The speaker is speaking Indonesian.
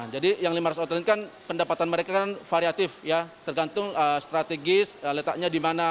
jadi yang lima ratus outlet kan pendapatan mereka variatif tergantung strategis letaknya di mana